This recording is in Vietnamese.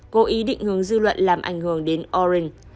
cố ý định hướng dư luận làm ảnh hưởng đến oren